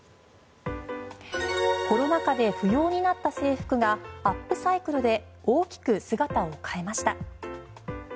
コロナ禍で不要になった制服がアップサイクルで大きく姿を変えました。